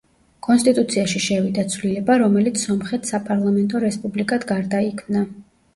კონსტიტუციაში შევიდა ცვლილება, რომელიც სომხეთს საპარლამენტო რესპუბლიკად გარდაიქმნა.